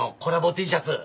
Ｔシャツ